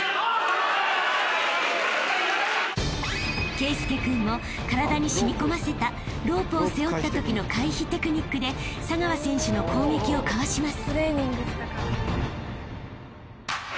［圭佑君も体に染み込ませたロープを背負ったときの回避テクニックで佐川選手の攻撃をかわします］